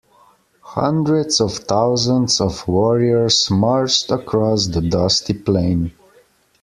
Hundreds of thousands of warriors marched across the dusty plain.